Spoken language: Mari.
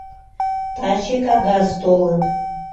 — Таче кагаз толын.